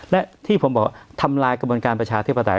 และที่ผมบอกทำลายกระบวนการประชาธิปไตย